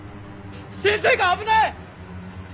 先生が危ない！